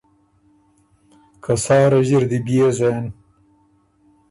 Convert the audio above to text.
که سا رݫي ر دی بيې زېن